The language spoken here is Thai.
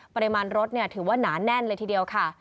ปริมาณรถถือว่าหนาแน่นเลยทีเดียวค่ะ